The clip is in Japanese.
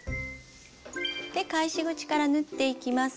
で返し口から縫っていきます。